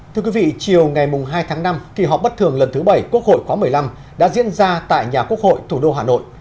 thưa quý vị chiều ngày hai tháng năm kỳ họp bất thường lần thứ bảy quốc hội khóa một mươi năm đã diễn ra tại nhà quốc hội thủ đô hà nội